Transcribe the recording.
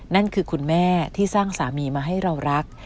นั่นคือคุณแม่ที่สร้างสามีมาให้เรารัก